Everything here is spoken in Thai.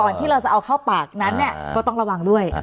ที่เราจะเอาเข้าปากนั้นเนี่ยก็ต้องระวังด้วย